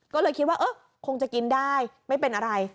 ก็เลยคิดว่าเออคงจะกินได้ไม่เป็นอะไร